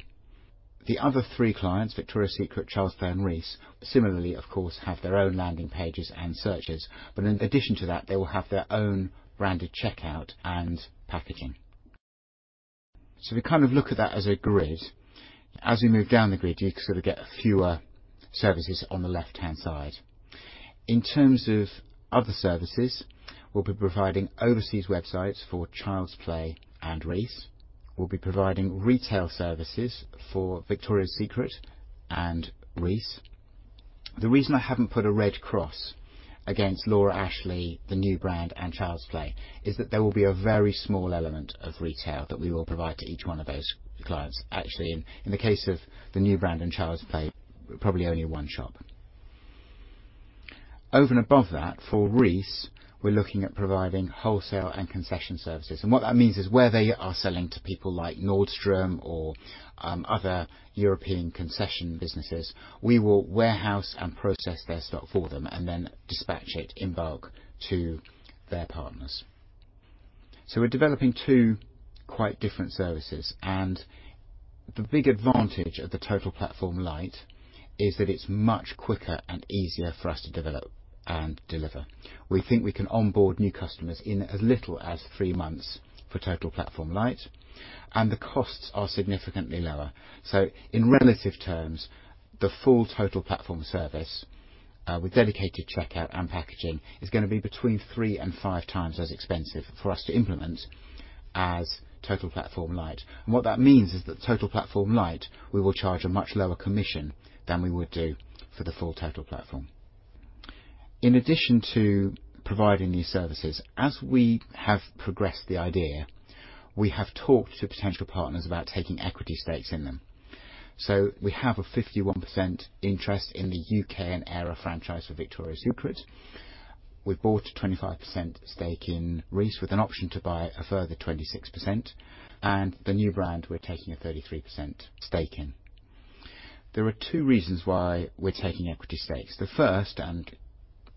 The other three clients, Victoria's Secret, Childsplay, and Reiss, similarly, of course, have their own landing pages and searches. In addition to that, they will have their own branded checkout and packaging. We kind of look at that as a grid. As we move down the grid, you sort of get fewer services on the left-hand side. In terms of other services, we'll be providing overseas websites for Childsplay and Reiss. We'll be providing retail services for Victoria's Secret and Reiss. The reason I haven't put a red cross against Laura Ashley, the new brand, and Childsplay, is that there will be a very small element of retail that we will provide to each one of those clients. Actually, in the case of the new brand and Childsplay, probably only one shop. Over and above that, for Reiss, we're looking at providing wholesale and concession services. What that means is where they are selling to people like Nordstrom or other European concession businesses, we will warehouse and process their stock for them and then dispatch it in bulk to their partners. We're developing two quite different services, and the big advantage of the Total Platform Lite is that it's much quicker and easier for us to develop and deliver. We think we can onboard new customers in as little as three months for Total Platform Lite, and the costs are significantly lower. In relative terms, the full Total Platform service with dedicated checkout and packaging is going to be between three and five times as expensive for us to implement as Total Platform Lite. What that means is that Total Platform Lite, we will charge a much lower commission than we would do for the full Total Platform. In addition to providing these services, as we have progressed the idea, we have talked to potential partners about taking equity stakes in them. We have a 51% interest in the U.K. and Eire franchise for Victoria's Secret. We bought a 25% stake in Reiss with an option to buy a further 26%, and the new brand, we're taking a 33% stake in. There are two reasons why we're taking equity stakes. The first, and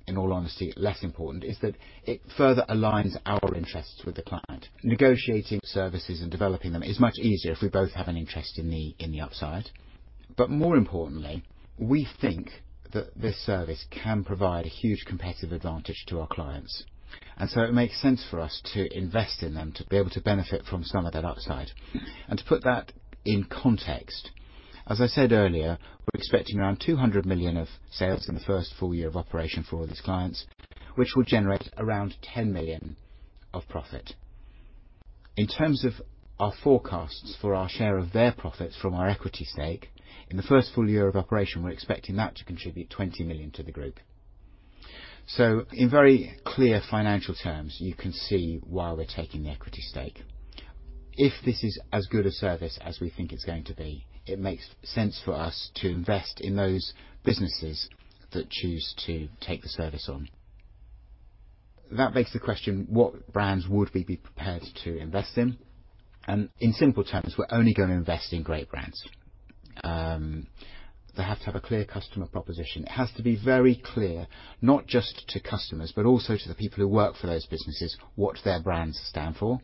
in all honesty, less important, is that it further aligns our interests with the client. Negotiating services and developing them is much easier if we both have an interest in the upside. More importantly, we think that this service can provide a huge competitive advantage to our clients. It makes sense for us to invest in them to be able to benefit from some of that upside. To put that in context, as I said earlier, we're expecting around 200 million of sales in the first full year of operation for all these clients, which will generate around 10 million of profit. In terms of our forecasts for our share of their profits from our equity stake, in the first full year of operation, we're expecting that to contribute 20 million to the group. In very clear financial terms, you can see why we're taking the equity stake. If this is as good a service as we think it's going to be, it makes sense for us to invest in those businesses that choose to take the service on. That begs the question, what brands would we be prepared to invest in? In simple terms, we're only going to invest in great brands. They have to have a clear customer proposition. It has to be very clear, not just to customers, but also to the people who work for those businesses, what their brands stand for.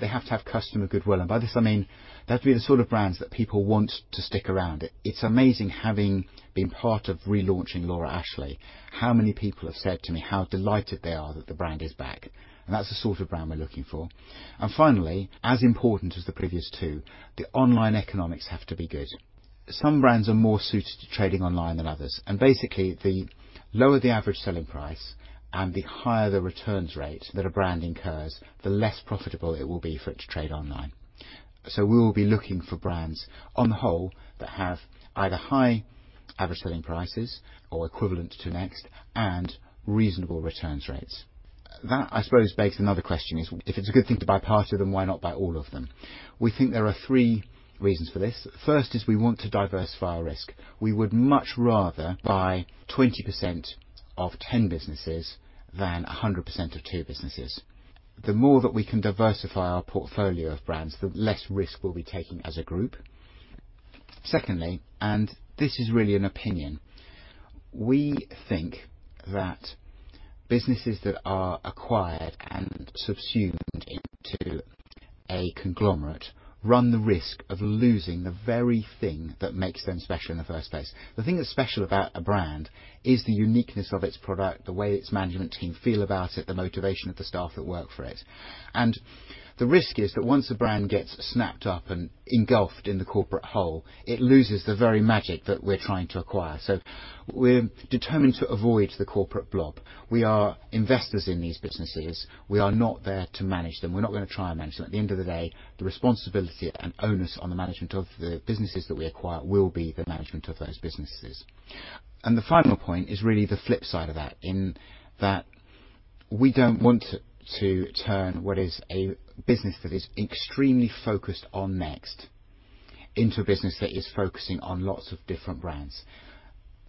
They have to have customer goodwill. By this I mean they have to be the sort of brands that people want to stick around. It's amazing having been part of relaunching Laura Ashley, how many people have said to me how delighted they are that the brand is back. That's the sort of brand we're looking for. Finally, as important as the previous two, the online economics have to be good. Some brands are more suited to trading online than others. Basically, the lower the average selling price and the higher the returns rate that a brand incurs, the less profitable it will be for it to trade online. We will be looking for brands on the whole that have either high average selling prices or equivalent to NEXT and reasonable returns rates. That, I suppose, begs another question is, if it's a good thing to buy part of them, why not buy all of them? We think there are three reasons for this. First is we want to diversify our risk. We would much rather buy 20% of 10 businesses than 100% of two businesses. The more that we can diversify our portfolio of brands, the less risk we'll be taking as a group. Secondly, and this is really an opinion, we think that businesses that are acquired and subsumed into a conglomerate run the risk of losing the very thing that makes them special in the first place. The thing that's special about a brand is the uniqueness of its product, the way its management team feel about it, the motivation of the staff that work for it. The risk is that once a brand gets snapped up and engulfed in the corporate whole, it loses the very magic that we're trying to acquire. We're determined to avoid the corporate blob. We are investors in these businesses. We are not there to manage them. We're not going to try and manage them. At the end of the day, the responsibility and onus on the management of the businesses that we acquire will be the management of those businesses. The final point is really the flip side of that, in that we don't want to turn what is a business that is extremely focused on NEXT into a business that is focusing on lots of different brands.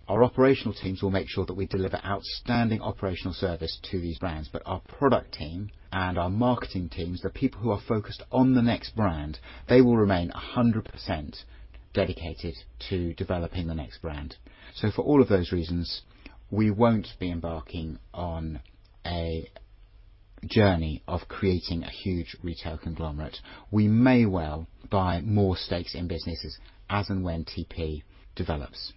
Our operational teams will make sure that we deliver outstanding operational service to these brands, but our product team and our marketing teams, the people who are focused on the NEXT brand, they will remain 100% dedicated to developing the NEXT brand. For all of those reasons, we won't be embarking on a journey of creating a huge retail conglomerate. We may well buy more stakes in businesses as and when TP develops.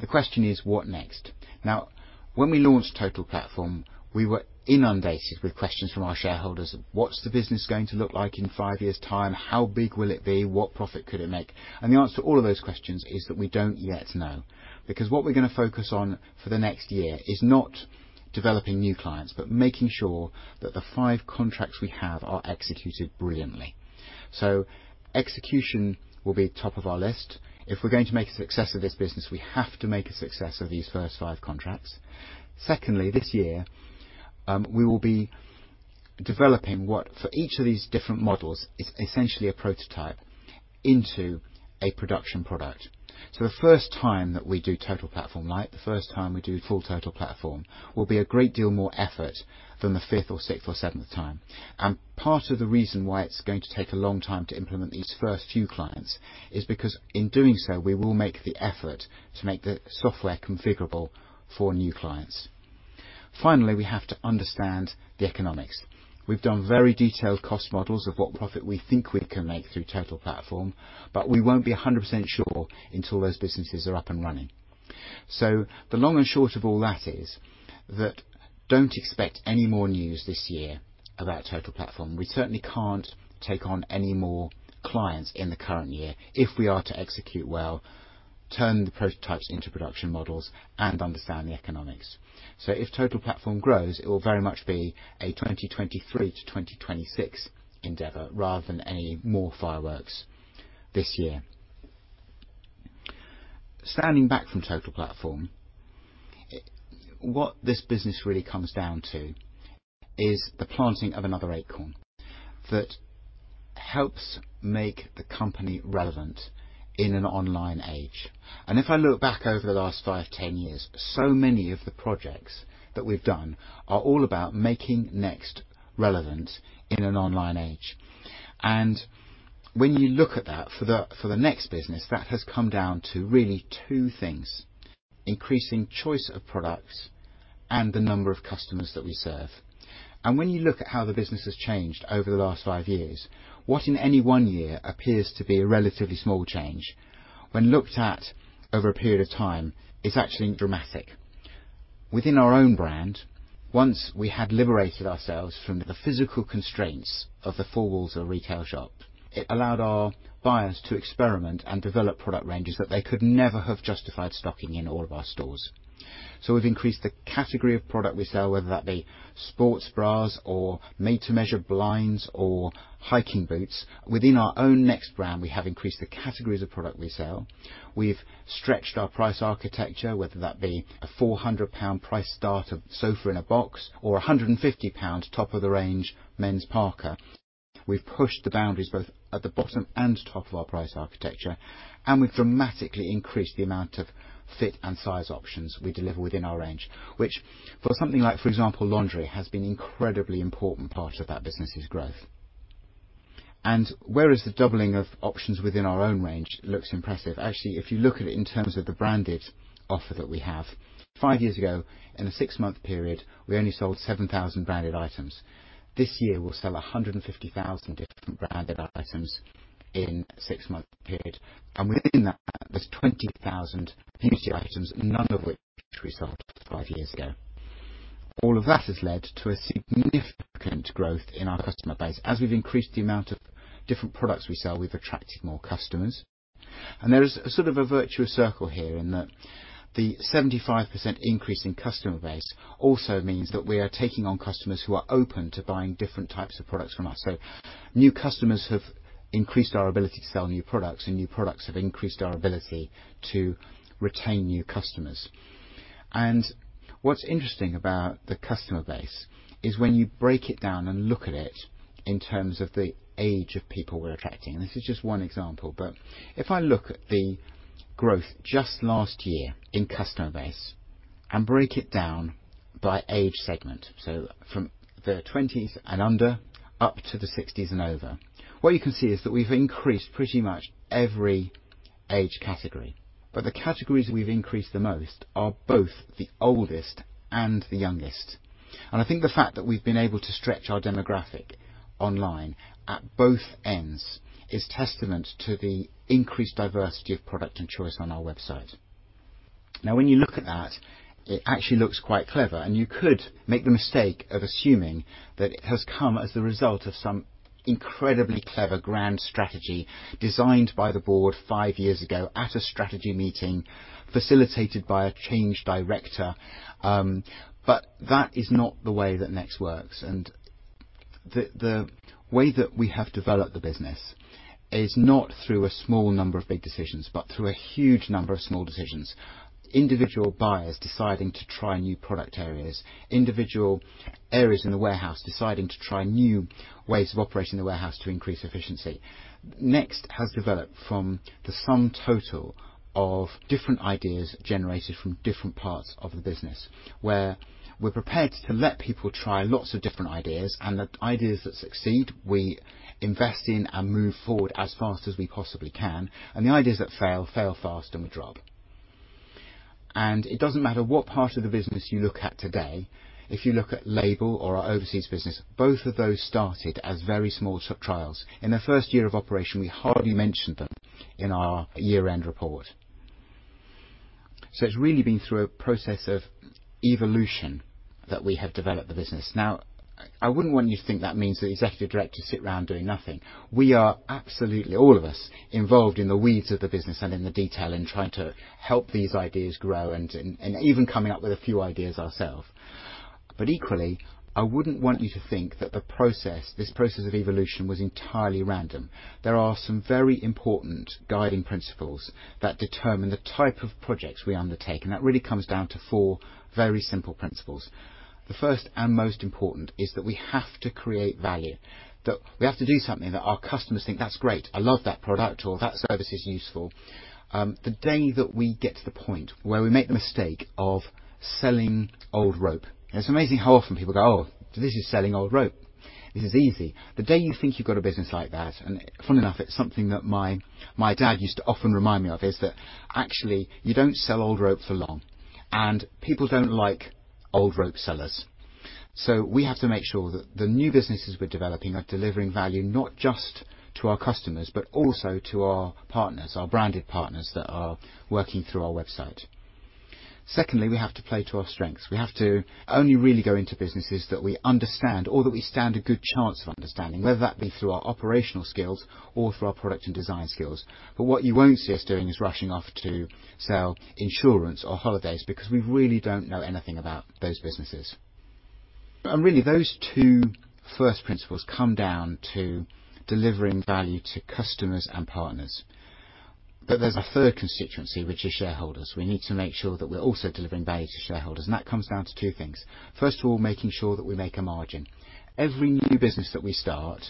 The question is, what next? Now, when we launched Total Platform, we were inundated with questions from our shareholders. What's the business going to look like in five years' time? How big will it be? What profit could it make? The answer to all of those questions is that we don't yet know. Because what we're going to focus on for the next year is not developing new clients, but making sure that the five contracts we have are executed brilliantly. Execution will be top of our list. If we're going to make a success of this business, we have to make a success of these first five contracts. Secondly, this year, we will be developing what for each of these different models is essentially a prototype into a production product. The first time that we do Total Platform Lite, the first time we do full Total Platform, will be a great deal more effort than the fifth or sixth or seventh time. Part of the reason why it's going to take a long time to implement these first few clients is because in doing so, we will make the effort to make the software configurable for new clients. Finally, we have to understand the economics. We've done very detailed cost models of what profit we think we can make through Total Platform, but we won't be 100% sure until those businesses are up and running. The long and short of all that is that. Don't expect any more news this year about Total Platform. We certainly can't take on any more clients in the current year if we are to execute well, turn the prototypes into production models, and understand the economics. If Total Platform grows, it will very much be a 2023 to 2026 endeavor rather than any more fireworks this year. Standing back from Total Platform, what this business really comes down to is the planting of another acorn that helps make the company relevant in an online age. If I look back over the last five, 10 years, so many of the projects that we've done are all about making NEXT relevant in an online age. When you look at that for the NEXT business, that has come down to really two things, increasing choice of products and the number of customers that we serve. When you look at how the business has changed over the last five years, what in any one year appears to be a relatively small change, when looked at over a period of time, it's actually dramatic. Within our own NEXT brand, once we had liberated ourselves from the physical constraints of the four walls of a retail shop, it allowed our buyers to experiment and develop product ranges that they could never have justified stocking in all of our stores. We've increased the category of product we sell, whether that be sports bras or made-to-measure blinds or hiking boots. Within our own NEXT brand, we have increased the categories of product we sell. We've stretched our price architecture, whether that be a 400 pound price start of sofa in a box or 150 pound top of the range men's parka. We've pushed the boundaries both at the bottom and top of our price architecture, and we've dramatically increased the amount of fit and size options we deliver within our range, which for something like, for example, lingerie, has been incredibly important part of that business's growth. Whereas the doubling of options within our own range looks impressive, actually, if you look at it in terms of the branded offer that we have, five years ago, in a six-month period, we only sold 7,000 branded items. This year, we'll sell 150,000 different branded items in a six-month period. Within that, there's 20,000 beauty items, none of which we sold five years ago. All of that has led to a significant growth in our customer base. As we've increased the amount of different products we sell, we've attracted more customers. There is sort of a virtuous circle here in that the 75% increase in customer base also means that we are taking on customers who are open to buying different types of products from us. New customers have increased our ability to sell new products, and new products have increased our ability to retain new customers. What's interesting about the customer base is when you break it down and look at it in terms of the age of people we're attracting, and this is just one example, but if I look at the growth just last year in customer base and break it down by age segment, from the 20s and under up to the 60s and over, what you can see is that we've increased pretty much every age category, but the categories we've increased the most are both the oldest and the youngest. I think the fact that we've been able to stretch our demographic online at both ends is testament to the increased diversity of product and choice on our website. When you look at that, it actually looks quite clever, and you could make the mistake of assuming that it has come as the result of some incredibly clever grand strategy designed by the board five years ago at a strategy meeting, facilitated by a change director. That is not the way that NEXT works. The way that we have developed the business is not through a small number of big decisions, but through a huge number of small decisions, individual buyers deciding to try new product areas, individual areas in the warehouse deciding to try new ways of operating the warehouse to increase efficiency. NEXT has developed from the sum total of different ideas generated from different parts of the business, where we're prepared to let people try lots of different ideas, and the ideas that succeed, we invest in and move forward as fast as we possibly can, and the ideas that fail fast, and we drop. It doesn't matter what part of the business you look at today. If you look at LABEL or our overseas business, both of those started as very small trials. In their first year of operation, we hardly mentioned them in our year-end report. It's really been through a process of evolution that we have developed the business. Now, I wouldn't want you to think that means that executive directors sit around doing nothing. We are absolutely, all of us, involved in the weeds of the business and in the detail in trying to help these ideas grow and even coming up with a few ideas ourselves. Equally, I wouldn't want you to think that the process, this process of evolution, was entirely random. There are some very important guiding principles that determine the type of projects we undertake, that really comes down to four very simple principles. The first and most important is that we have to create value, that we have to do something that our customers think, "That's great. I love that product" or, "That service is useful." The day that we get to the point where we make the mistake of selling old rope. It's amazing how often people go, "Oh, this is selling old rope. This is easy." The day you think you've got a business like that, and funnily enough, it's something that my dad used to often remind me of, is that actually, you don't sell old rope for long, and people don't like old rope sellers. We have to make sure that the new businesses we're developing are delivering value not just to our customers, but also to our partners, our branded partners that are working through our website. Secondly, we have to play to our strengths. We have to only really go into businesses that we understand or that we stand a good chance of understanding, whether that be through our operational skills or through our product and design skills. What you won't see us doing is rushing off to sell insurance or holidays because we really don't know anything about those businesses. Really those two first principles come down to delivering value to customers and partners. There's a third constituency, which is shareholders. We need to make sure that we're also delivering value to shareholders, and that comes down to two things. First of all, making sure that we make a margin. Every new business that we start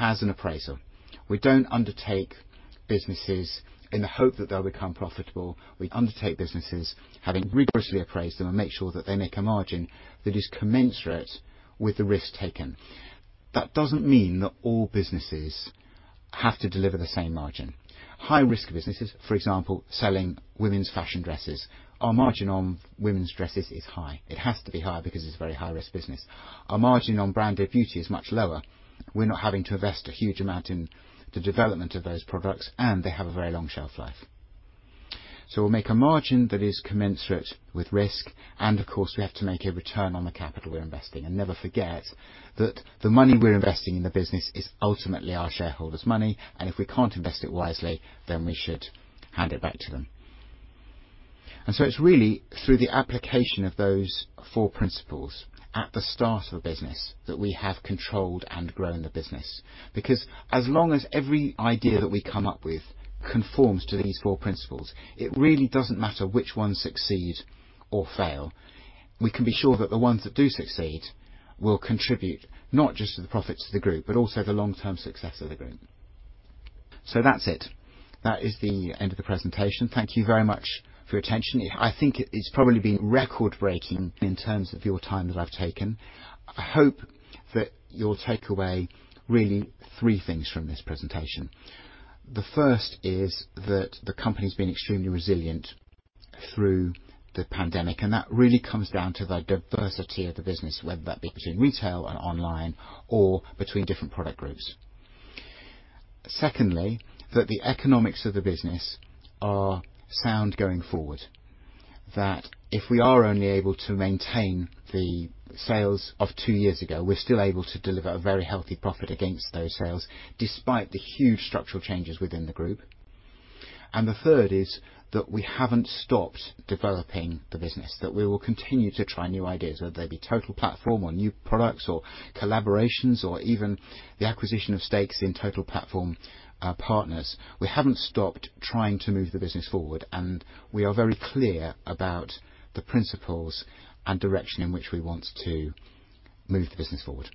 has an appraisal. We don't undertake businesses in the hope that they'll become profitable. We undertake businesses having rigorously appraised them and make sure that they make a margin that is commensurate with the risk taken. That doesn't mean that all businesses have to deliver the same margin. High-risk businesses, for example, selling women's fashion dresses. Our margin on women's dresses is high. It has to be high because it's a very high-risk business. Our margin on branded beauty is much lower. We're not having to invest a huge amount in the development of those products, and they have a very long shelf life. We'll make a margin that is commensurate with risk, and of course, we have to make a return on the capital we're investing and never forget that the money we're investing in the business is ultimately our shareholders' money, and if we can't invest it wisely, then we should hand it back to them. It's really through the application of those four principles at the start of a business that we have controlled and grown the business. As long as every idea that we come up with conforms to these four principles, it really doesn't matter which ones succeed or fail. We can be sure that the ones that do succeed will contribute not just to the profits of the group, but also the long-term success of the group. That's it. That is the end of the presentation. Thank you very much for your attention. I think it's probably been record-breaking in terms of your time that I've taken. I hope that you'll take away really three things from this presentation. The first is that the company's been extremely resilient through the pandemic, and that really comes down to the diversity of the business, whether that be between retail and online or between different product groups. Secondly, that the economics of the business are sound going forward, that if we are only able to maintain the sales of two years ago, we're still able to deliver a very healthy profit against those sales despite the huge structural changes within the group. The third is that we haven't stopped developing the business, that we will continue to try new ideas, whether they be Total Platform or new products or collaborations or even the acquisition of stakes in Total Platform partners. We haven't stopped trying to move the business forward, and we are very clear about the principles and direction in which we want to move the business forward.